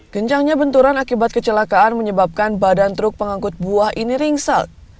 kencangnya benturan akibat kecelakaan menyebabkan badan truk pengangkut buah ini ringsel